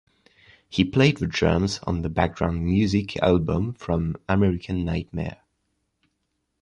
He played the drums on the "Background Music" album from American Nightmare.